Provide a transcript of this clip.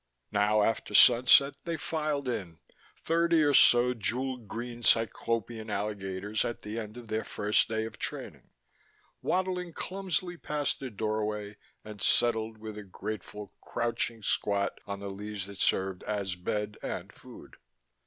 Now, after sunset, they filed in, thirty or so jewel green cyclopean alligators at the end of their first day of training, waddling clumsily past the doorway and settled with a grateful, crouching squat on the leaves that served as bed and food.